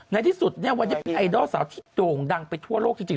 ในที่สุดเนี่ยวันนี้เป็นไอดอลสาวที่โด่งดังไปทั่วโลกจริง